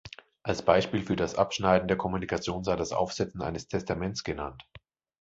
Als Beispiel für das Abschneiden der Kommunikation sei das Aufsetzen eines Testaments genannt.